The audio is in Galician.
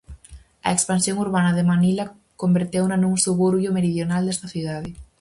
A expansión urbana de Manila converteuna nun suburbio meridional desta cidade.